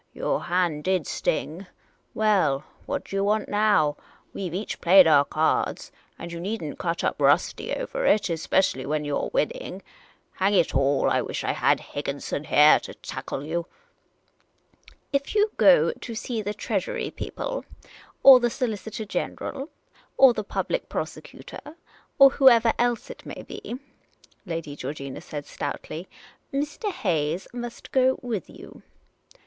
Your hand did sting ! Well, what do you want now ? We ' ve each played our cards, and you need n't cut up rusty over it — especially when you 're winning ! Hang it all, I wish I had Higginson heah to tackle you !"" If you go to see the Treasury people, or the Solicitor General, or the Public Prosecutor, or whoever else it may be," Lady Georgina said, stoutly, " Mr. Hayes must go with you.